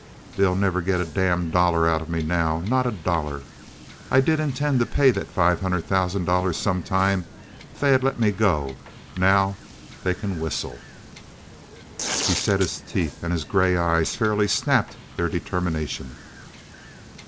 They'll never get a damned dollar out of me now—not a dollar! I did intend to pay that five hundred thousand dollars some time if they had let me go. Now they can whistle!" He set his teeth and his gray eyes fairly snapped their determination.